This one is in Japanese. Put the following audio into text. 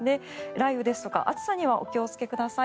雷雨ですとか暑さにはお気をつけください。